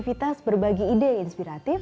aplikasi semisal ini juga bisa menjadi kreatif